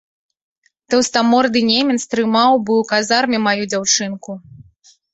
Таўстаморды немец трымаў бы ў казарме маю дзяўчынку.